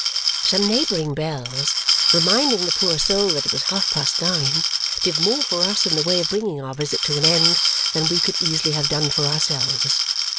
Some neighbouring bells, reminding the poor soul that it was half past nine, did more for us in the way of bringing our visit to an end than we could easily have done for ourselves.